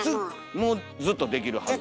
もうずっとできるはず。